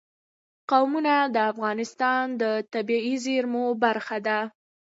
قومونه د افغانستان د طبیعي زیرمو برخه ده.